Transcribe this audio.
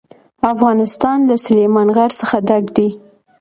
افغانستان له سلیمان غر څخه ډک دی.